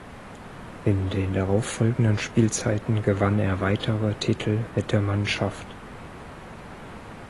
In den darauffolgenden Spielzeiten gewann er weitere Titel mit der Mannschaft.